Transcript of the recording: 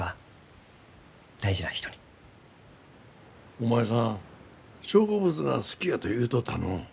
お前さん植物が好きやと言うとったのう。